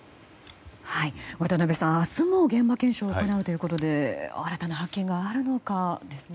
渡辺さん、明日も現場検証を行うということで新たな発見があるのかですね。